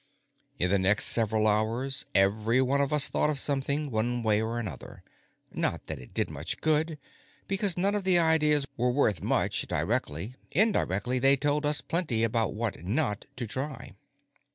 In the next several hours, every one of us thought of something, one way or another. Not that it did much good, because none of the ideas were worth much, directly. Indirectly, they told us plenty about what not to try.